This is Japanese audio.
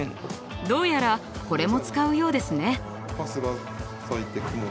どうやらこれも使うようですね。